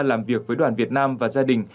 làm việc với đoàn việt nam và gia đình